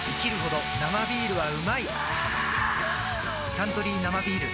「サントリー生ビール」